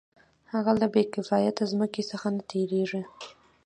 هغه له بې کفایته ځمکې څخه نه تېرېږي